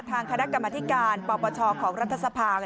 ทางคณะกรรมธิการปปชของรัฐสภา